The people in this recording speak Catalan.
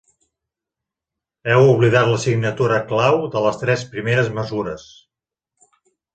Heu oblidat la signatura clau de les tres primeres mesures.